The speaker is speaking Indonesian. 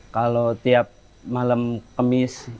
kalau tiap malam kemis